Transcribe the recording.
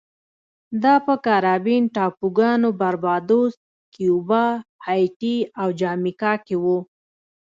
دا په کارابین ټاپوګانو باربادوس، کیوبا، هایټي او جامیکا کې و